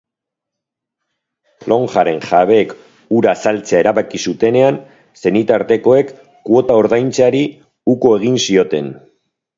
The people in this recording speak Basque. Lonjaren jabeek hura saltzea erabaki zutenean, senitartekoek kuota ordaintzeari uko egin zioten.